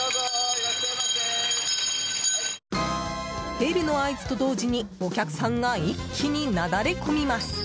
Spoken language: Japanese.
ベルの合図と同時にお客さんが一気になだれ込みます。